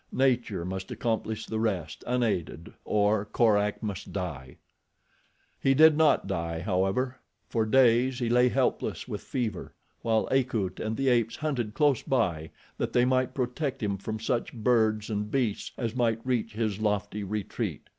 Nature must accomplish the rest unaided or Korak must die. He did not die, however. For days he lay helpless with fever, while Akut and the apes hunted close by that they might protect him from such birds and beasts as might reach his lofty retreat.